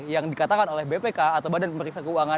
yang dikatakan oleh bpk atau badan pemeriksa keuangan